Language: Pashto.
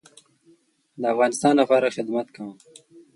د افغانستان لپاره خدمت کوم